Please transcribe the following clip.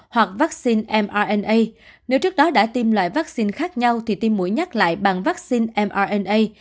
hoặc vaccine mrna nếu trước đó đã tiêm loại vaccine khác nhau thì tiêm mũi nhắc lại bằng vaccine mna